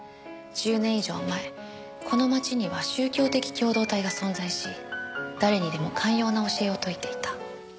１０年以上前この町には宗教的共同体が存在し誰にでも寛容な教えを説いていた。